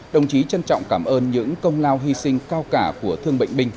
đồng chí trân trọng cảm ơn những công lao hy sinh cao cả của thương bệnh binh